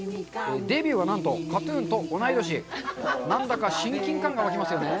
デビューはなんとＫＡＴ−ＴＵＮと同い年何だか親近感が湧きますよね